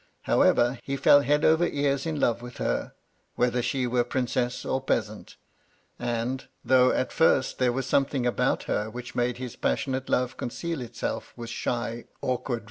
However, he fell head over ears in love with her, whether she were princess or peasant ; and, though at first there was something about her which made his passionate love conceal itself with shy, awkward MY LADY LUDLOW.